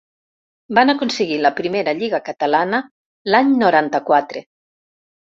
Van aconseguir la primera Lliga catalana l'any noranta-quatre.